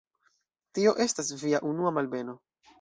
Tio estas Via unua malbeno.